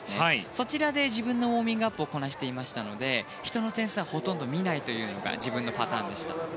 そちらで自分のウォーミングアップをこなしていましたので人の点数はほとんど見ないというのが自分のパターンでした。